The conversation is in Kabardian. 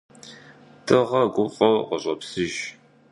Дыгъэр гуфӀэу къыщӀопсыж.